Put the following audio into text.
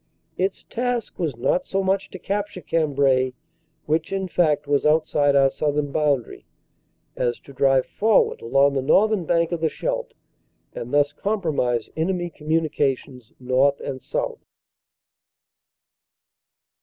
Its task was not so much to capture Cambrai which in fact was outside our southern boundary as to drive forward along the northern bank of the Scheldt and thus compromise enemy communications north and south.